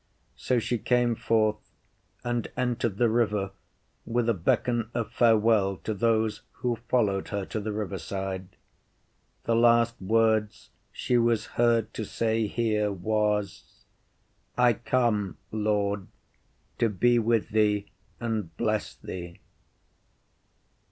So she came forth and entered the river with a beckon of farewell to those who followed her to the river side. The last words she was heard to say here was, I come, Lord, to be with thee and bless thee.